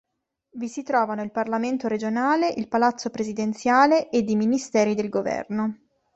Vi si trovano il parlamento regionale, il palazzo presidenziale ed i ministeri del governo.